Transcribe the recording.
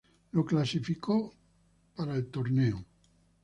La clasificó al torneo.